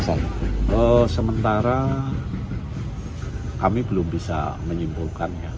sementara kami belum bisa menyimpulkan